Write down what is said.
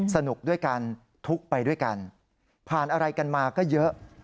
สนุกด้วยกันทุกข์ไปด้วยกันผ่านอะไรกันมาก็เยอะ